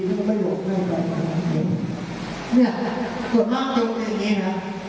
ดีนรับไม่หยุดไม่ว่าไปไม่ว่าไปเดียวนี่ก็ตัวมากเยอะแบบนี้น่ะ